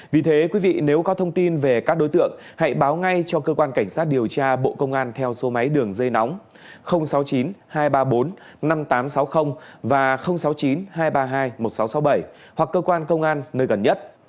vì thế quý vị nếu có thông tin về các đối tượng hãy báo ngay cho cơ quan cảnh sát điều tra bộ công an theo số máy đường dây nóng sáu mươi chín hai trăm ba mươi bốn năm nghìn tám trăm sáu mươi và sáu mươi chín hai trăm ba mươi hai một nghìn sáu trăm sáu mươi bảy hoặc cơ quan công an nơi gần nhất